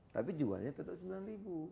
tapi jualnya tetap rp sembilan